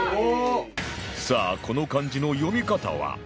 さあこの漢字の読み方は？